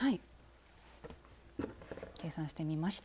計算してみました。